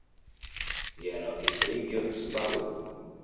Иара убригьы сгәалоуп.